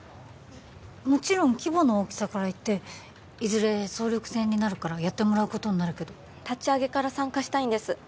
もちろん規模の大きさからいっていずれ総力戦になるからやってもらうことになるけど立ち上げから参加したいんです